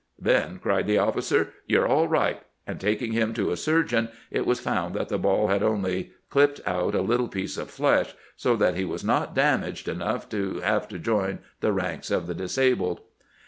' Then,' cried the officer, ' you 're all right '; and taking him to a sur geon, it was found that the ball had only clipped out a little piece of flesh, so that he was not damaged enough to have to join the ranks of the disabled.